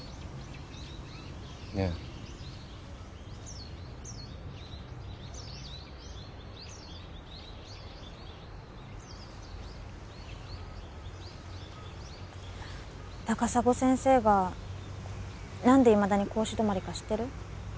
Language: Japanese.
ええ高砂先生がなんでいまだに講師どまりか知ってる？